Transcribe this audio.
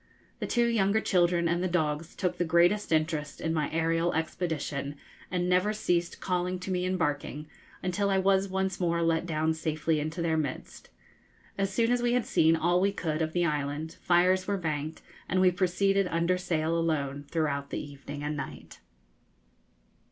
The two younger children and the dogs took the greatest interest in my aërial expedition, and never ceased calling to me and barking, until I was once more let down safely into their midst. As soon as we had seen all we could of the island, fires were banked, and we proceeded under sail alone throughout the evening and night.